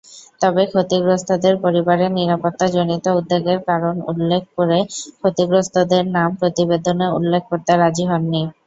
তবে ক্ষতিগ্রস্থদের পরিবারের নিরাপত্তাজনিত উদ্বেগের কারণ উল্লেখ করে ক্ষতিগ্রস্থদের নাম প্রতিবেদনে উল্লেখ করতে রাজি হননি।